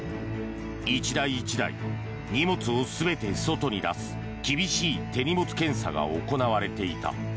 １台１台、荷物を全て外に出す厳しい手荷物検査が行われていた。